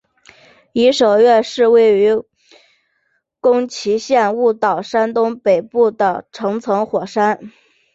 夷守岳是位在日本宫崎县雾岛山东北部的成层火山。